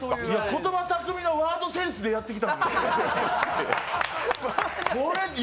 言葉巧みのワードセンスでやってきたのに。